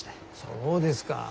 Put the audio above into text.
そうですか。